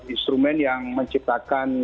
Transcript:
instrumen yang menciptakan